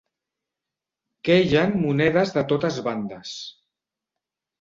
Queien monedes de totes bandes.